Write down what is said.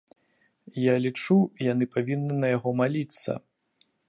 Я лічу, яны павінны на яго маліцца.